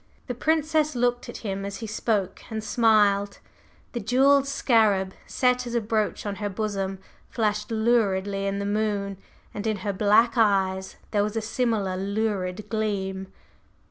The Princess looked at him as he spoke and smiled. The jewelled scarab, set as a brooch on her bosom, flashed luridly in the moon, and in her black eyes there was a similar lurid gleam.